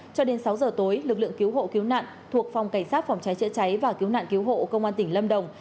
cho đến sáu giờ tối lực lượng cứu hộ cứu nạn thuộc phòng cảnh sát phòng cháy chữa cháy và cứu nạn cứu hộ công an tỉnh lâm đồng